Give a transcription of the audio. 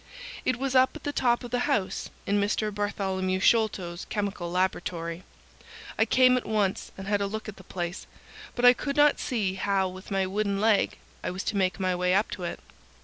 It was up at the top of the house, in Mr. Bartholomew Sholto's chemical laboratory. I came at once and had a look at the place, but I could not see how with my wooden leg I was to make my way up to it.